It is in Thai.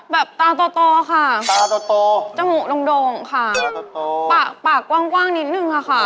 แบบตาค่ะจมูกดงค่ะปากกว้างนิดหนึ่งค่ะค่ะ